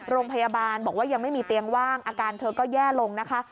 โรงพยาบาลบอกว่ายังไม่มีเตียงว่างอาการเธอก็แย่ลงนะคะ